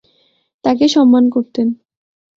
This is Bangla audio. তাকে সম্মান করতেন।